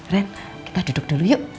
red kita duduk dulu yuk